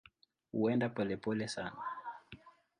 Huenda polepole sana.